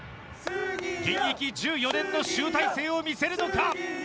現役１４年の集大成を見せるのか？